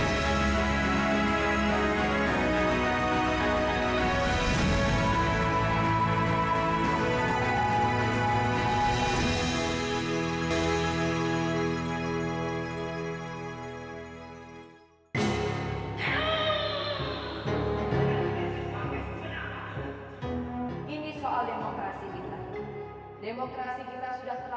sampai jumpa lagi di episode video selanjutnya